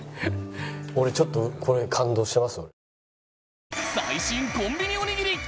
俺ちょっとこれ感動してます。